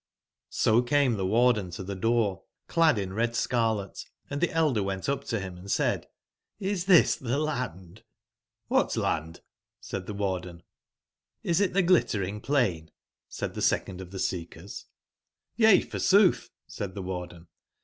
RO came the (Harden to the door, clad in red jj scarlet, & the elderwcnt up to him and said : ^as this the Land?"j^'^<nhat land?" said thc^arden^Xs it the Glittering plain ?" said the second of the seekersj^^'Y^^* forsooth,*' said the CQardcn.